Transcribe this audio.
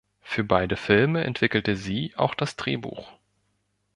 Für beide Filme entwickelte sie auch das Drehbuch.